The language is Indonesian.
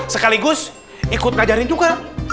sekaligus ikut ngajarin juga